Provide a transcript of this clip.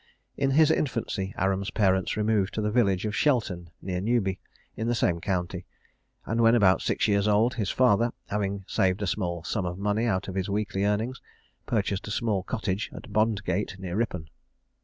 In his infancy, Aram's parents removed to the village of Shelton, near Newby, in the same county; and when about six years old, his father, having saved a small sum of money out of his weekly earnings, purchased a small cottage at Bondgate, near Rippon.